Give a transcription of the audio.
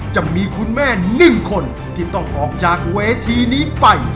จะมีคุณแม่๑คนที่ต้องออกจากเวทีนี้ไป